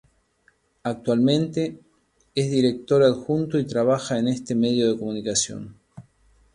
Actualmente es director adjunto y trabaja en este medio de comunicación.